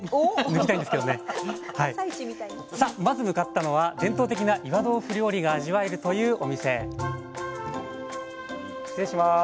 さあまず向かったのは伝統的な岩豆腐料理が味わえるというお店失礼します。